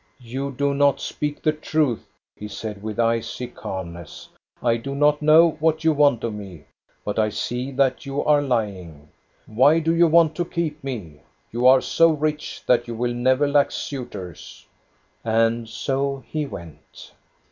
"You do not speak the truth," he said with icy calmness. " I do not know what you want of me, but I see that you are lying. Why do you want to keep me? You are so rich that you will never lack suitors." And so he went.